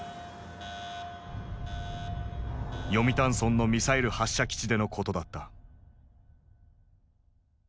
読谷村のミサイル発射基地でのことだった。